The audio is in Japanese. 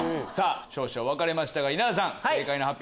少々分かれましたが稲田さん正解の発表